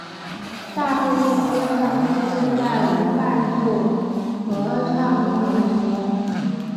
大部分歌唱都是在无伴奏合唱中完成的。